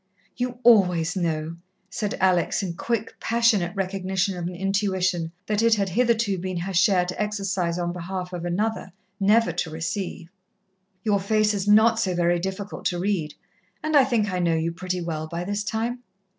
"You always know," said Alex, in quick, passionate recognition of an intuition that it had hitherto been her share to exercise on behalf of another, never to receive. "Your face is not so very difficult to read, and I think I know you pretty well by this time."